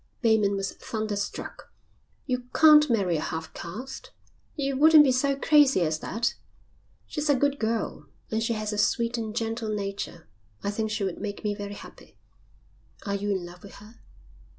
Bateman was thunderstruck. "You can't marry a half caste. You wouldn't be so crazy as that." "She's a good girl, and she has a sweet and gentle nature. I think she would make me very happy." "Are you in love with her?"